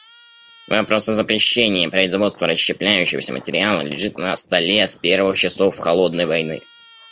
Вопрос о запрещении производства расщепляющегося материала лежит на столе с первых часов "холодной войны".